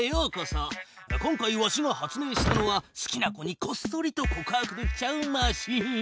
今回わしが発明したのは好きな子にこっそりと告白できちゃうマシン。